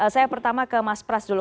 saya pertama ke mas pras dulu